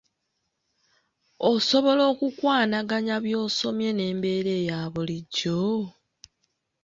Osobola okukwanaganya by'osomye n'embeera eya bullijjo?